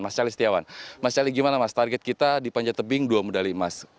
mas cali setiawan mas cali gimana mas target kita di panjat tebing dua medali emas